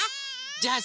じゃあさ